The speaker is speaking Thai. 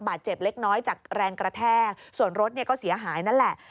เจ็บเล็กน้อยจากแรงกระแทกส่วนรถเนี่ยก็เสียหายนั่นแหละ